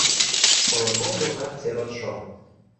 Коротков докат церот шо.